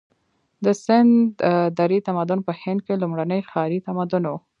د سند درې تمدن په هند کې لومړنی ښاري تمدن و.